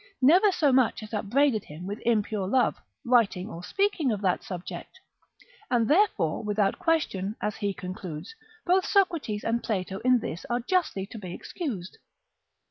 never so much as upbraided him with impure love, writing or speaking of that subject; and therefore without question, as he concludes, both Socrates and Plato in this are justly to be excused.